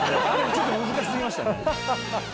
ちょっと難し過ぎましたね。